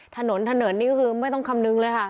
ถนนถนนนี่ก็คือไม่ต้องคำนึงเลยค่ะ